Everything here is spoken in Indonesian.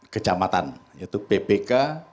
kecamatan yaitu ppk